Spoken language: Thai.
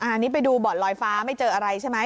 อันนี้ไปดูบ่อนลอยฟ้าไม่เจออะไรใช่ไหม